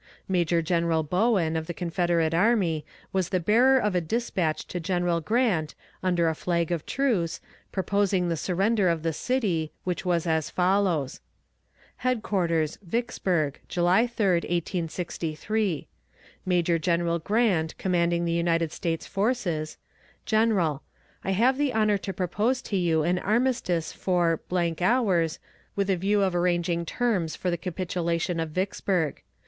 Major General Bowen, of the Confederate army, was the bearer of a despatch to General Grant, under a flag of truce, proposing the surrender of the city, which was as follows: HEADQUARTERS, VICKSBURG, July 3d, 1863. Major General Grant, commanding United States forces: GENERAL I have the honor to propose to you an armistice for hours, with a view of arranging terms for the capitulation of Vicksburg.